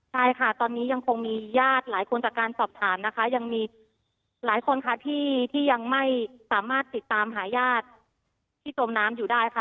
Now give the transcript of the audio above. ใช่ค่ะตอนนี้ยังคงมีญาติหลายคนจากการสอบถามนะคะยังมีหลายคนค่ะที่ยังไม่สามารถติดตามหาญาติที่จมน้ำอยู่ได้ค่ะ